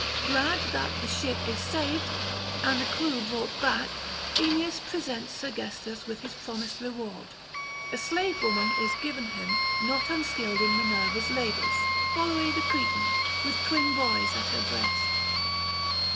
Glad that the ship is saved and the crew brought back, Aeneas presents Sergestus with his promised reward. A slave woman is given him not unskilled in Minerva's labours, Pholoë the Cretan, with twin boys at her breast.